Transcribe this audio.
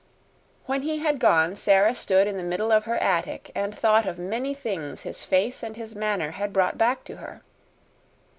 When he had gone Sara stood in the middle of her attic and thought of many things his face and his manner had brought back to her.